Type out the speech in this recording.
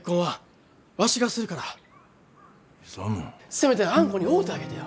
せめてあんこに会うたげてよ。